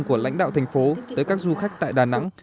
của lãnh đạo thành phố tới các du khách tại đà nẵng